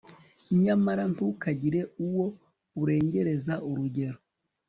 nyamara ntukagire uwo urengereza urugero